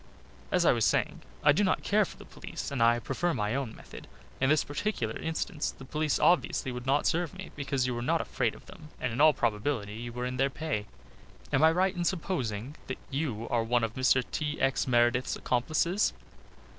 "As I was saying, I do not care for the police, and I prefer my own method. In this particular instance the police obviously would not serve me, because you are not afraid of them and in all probability you are in their pay am I right in supposing that you are one of Mr. T. X. Meredith's accomplices!"